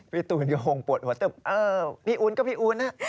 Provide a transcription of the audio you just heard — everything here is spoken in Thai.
พี่ตู๋นก็ห่งปวดหัวเต็มเออพี่อู๋นก็พี่อู๋นอะ